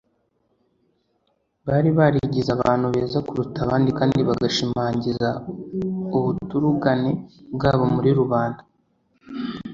Bari barigize abantu beza kuruta abandi kandi bagashimagiza ubuturugane bwabo muri rubanda;